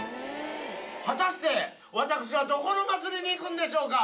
果たして、私はどこの祭りに行くんでしょうか。